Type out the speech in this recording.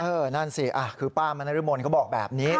เออนั่นสิอ่ะคือป้ามานรุ่นหมดก็บอกแบบนี้